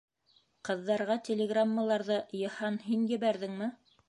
Ҡыҙҙарға телеграммаларҙы, Йыһан, һин ебәрҙеңме?